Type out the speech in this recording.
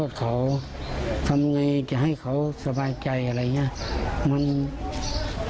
ทำไงจะให้เขาสบายใจอะไรอย่างนี้